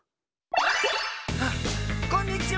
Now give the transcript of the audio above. あっこんにちは！